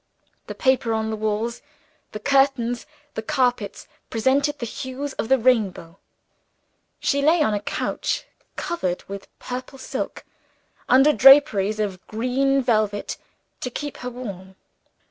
The paper on the walls, the curtains, the carpet presented the hues of the rainbow. She lay on a couch covered with purple silk, under draperies of green velvet to keep her warm.